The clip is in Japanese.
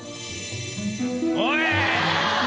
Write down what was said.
おい！